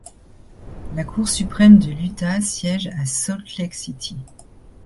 La Cour suprême de l’Utah siège à Salt Lake City.